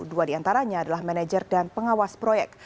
dua diantaranya adalah manajer dan pengawas proyek